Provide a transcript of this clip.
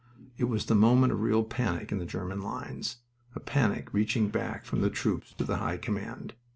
It was the moment of real panic in the German lines a panic reaching back from the troops to the High Command.